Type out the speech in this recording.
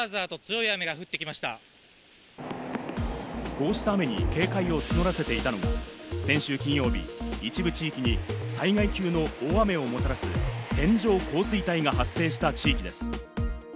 こうした雨に警戒を募らせていたのは、先週金曜日、一部地域に災害級の大雨をもたらす線状降水帯が発生した地域です。